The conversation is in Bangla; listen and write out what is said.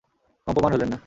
কম্পমান হলেন না।